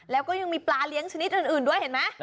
แล้วก็ยังมีปลาเลี้ยงชนิดอื่นด้วยเห็นไหม